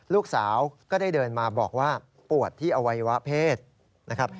ลูกสาวก็ได้เดินมาบอกว่าปวดที่อวัยวะเพศนะครับ